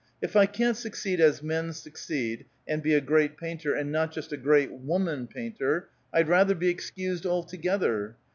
"If I can't succeed as men succeed, and be a great painter, and not just a great woman painter, I'd rather be excused altogether.